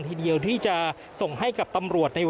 ทีเดียวที่จะส่งให้กับตำรวจใน